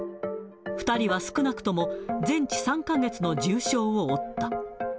２人は少なくとも全治３か月の重傷を負った。